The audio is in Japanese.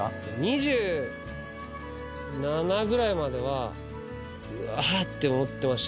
２７ぐらいまではうわーって思ってましたけど。